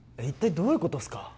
一体どういうことっすか？